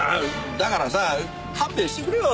だからさ勘弁してくれよ。